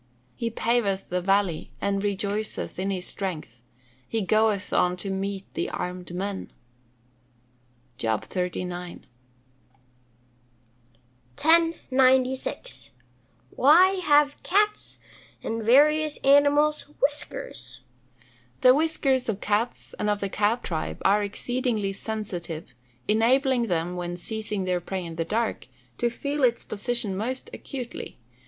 He paveth the valley, and rejoiceth in his strength: he goeth on to meet the armed men." JOB XXXIX.] 1096. Why have cats, and various other animals, whiskers? The whiskers of cats, and of the cat tribe, are exceedingly sensitive, enabling them, when seizing their prey in the dark, to feel its position most acutely.